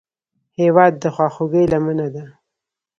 هېواد د خواخوږۍ لمنه ده.